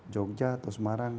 jogja atau semarang